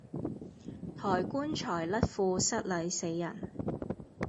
抬棺材甩褲失禮死人